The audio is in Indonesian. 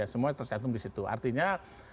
semua tercantum di situ artinya